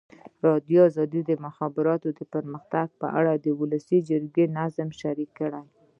ازادي راډیو د د مخابراتو پرمختګ په اړه د ولسي جرګې نظرونه شریک کړي.